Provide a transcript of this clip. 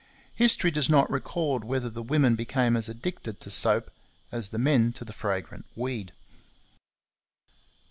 History does not record whether the women became as addicted to soap as the men to the fragrant weed.